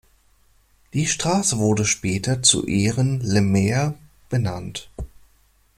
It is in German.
Die Straße wurde später zu Ehren Le Maires benannt.